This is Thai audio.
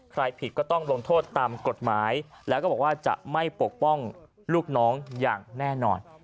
ผิดก็ต้องลงโทษตามกฎหมายแล้วก็บอกว่าจะไม่ปกป้องลูกน้องอย่างแน่นอน